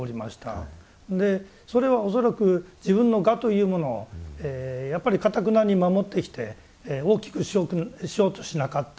それは恐らく自分の我というものをやっぱりかたくなに守ってきて大きくしようとしなかった。